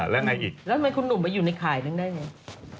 แล้วทำไมคุณหนุ่มไม่อยู่ในข่ายนึงได้ไง